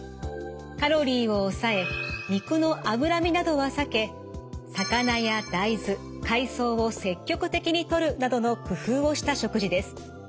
カロリーを抑え肉の脂身などは避け魚や大豆海藻を積極的にとるなどの工夫をした食事です。